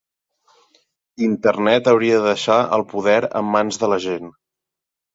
Internet hauria de deixar el poder en mans de la gent.